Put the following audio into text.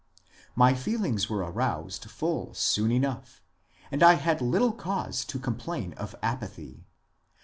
My feel ings were roused full soon enough and I had little cause to complain of apathy.